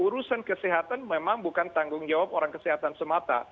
urusan kesehatan memang bukan tanggung jawab orang kesehatan semata